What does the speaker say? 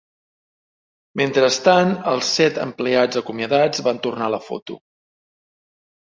Mentrestant, els set empleats acomiadats van tornar a la foto.